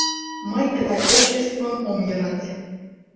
Мый тыгай обществым ом йӧрате.